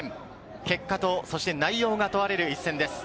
結果と、そして内容が問われる一戦です。